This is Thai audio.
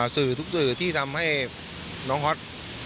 สื่อทุกที่ทำให้น้องฮอร์ส